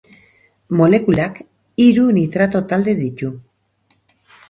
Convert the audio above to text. Molekulak hiru nitrato talde ditu.